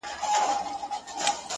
لـــكــه ښـــه اهـنـــگ،